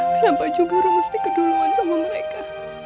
kenapa juga orang mesti keduluan sama mereka